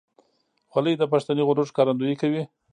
خولۍ د پښتني غرور ښکارندویي کوي.